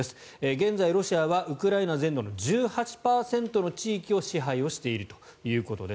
現在、ロシアはウクライナ全土の１８％の地域を支配をしているということです。